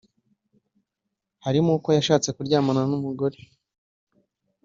harimo uko yashatse kuryamana n’umugore